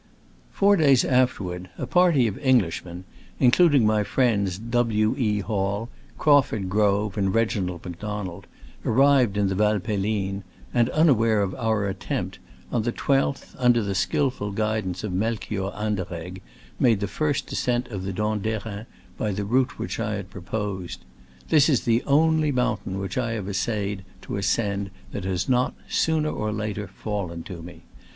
Four days afterward a party of Eng lishmen (including my friends W. E. Hall, Crauford Grove and Reginald Macdonald) arrived in the Valpelline, and (unaware of our attempt) on the 12th, under the skillful guidance of Melchior Anderegg, made the first ascent of the Dent d'Erin by the route which I had. proposed. This is the only mountain which I have essayed to ascend that has not, sooner or later, fallen to me.